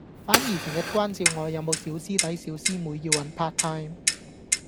反而成日關照我有冇小師弟小師妹要搵 Part Time